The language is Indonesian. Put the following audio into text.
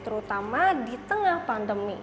terutama di tengah pandemi